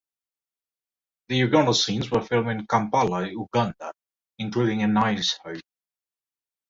The Uganda scenes were filmed in Kampala, Uganda, including in Nair's home.